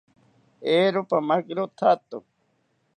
Eero, pamakiro thato